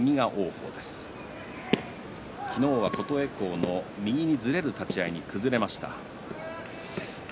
昨日は琴恵光の右にずれる立ち合いに崩れました。